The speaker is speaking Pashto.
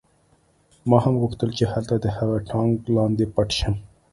ما هم غوښتل چې هلته د هغه ټانک لاندې پټ شم